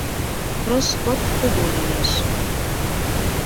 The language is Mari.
Роскот кугу лиеш.